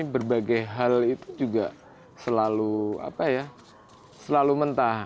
berbagai hal itu juga selalu apa ya selalu mentah